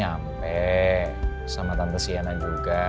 sampai sama tante cnn juga